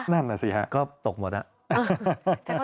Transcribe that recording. อยากไล่อย่างนั้นสิหาก็ตกหมดแล้ว